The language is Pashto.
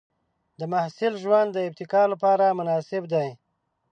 د محصل ژوند د ابتکار لپاره مناسب دی.